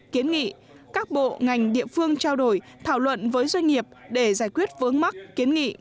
kiến nghị các bộ ngành địa phương trao đổi thảo luận với doanh nghiệp để giải quyết vướng mắc kiến nghị